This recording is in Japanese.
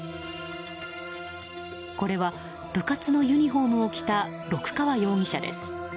これは、部活のユニホームを着た六川容疑者です。